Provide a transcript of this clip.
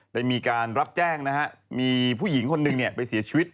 ได้มีการรับแจ้งนะฮะมีผู้หญิงคนหนึ่งไปเสียชีวิต